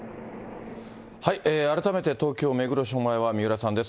改めて東京・目黒署前は三浦さんです。